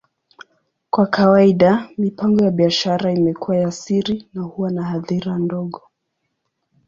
Kwa kawaida, mipango ya biashara imekuwa ya siri na huwa na hadhira ndogo.